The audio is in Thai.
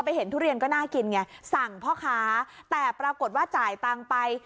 เห็นทุเรียนก็น่ากินไงสั่งพ่อค้าแต่ปรากฏว่าจ่ายตังค์ไป